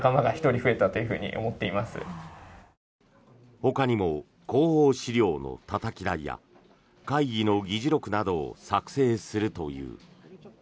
ほかにも広報資料のたたき台や会議の議事録などを作成するという。